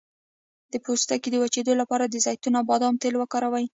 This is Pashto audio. د پوستکي د وچیدو لپاره د زیتون او بادام تېل وکاروئ